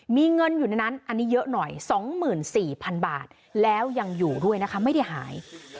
มีเงินอยู่ในนั้นอันนี้เยอะหน่อย๒๔๐๐๐บาทแล้วยังอยู่ด้วยนะคะไม่ได้หาย